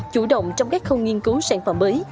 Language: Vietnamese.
chủ động trong các khâu nghiên cứu sản phẩm mới